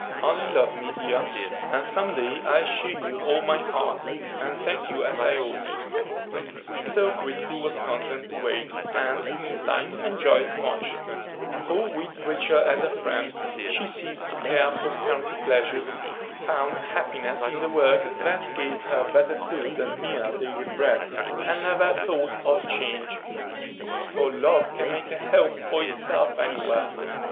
Only love me, dear, and some day I'll show you all my heart, and thank you as I ought." So Christie was content to wait, and, meantime, enjoyed much; for, with Rachel as a friend, she ceased to care for country pleasures, found happiness in the work that gave her better food than mere daily bread, and never thought of change; for love can make a home for itself anywhere.